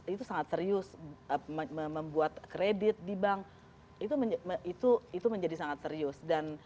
itu sangat serius membuat kredit di bank itu menjadi sangat serius